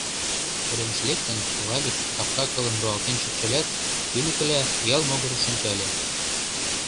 Уремыш лектын, Валик капка кылым руалтен шупшылят, ӱлыкыла, ял могырыш, ончале.